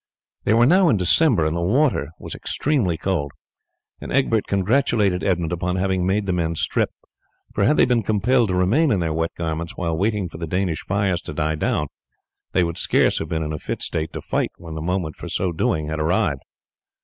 They were now in December, and the water was extremely cold, and Egbert congratulated Edmund upon having made the men strip, for had they been compelled to remain in their wet garments while waiting for the Danish fires to die down, they would scarce have been in a fit state to fight when the moment for so doing had arrived.